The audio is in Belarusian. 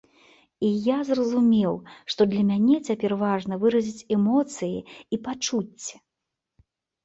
І я зразумеў, што для мяне цяпер важна выразіць эмоцыі і пачуцці.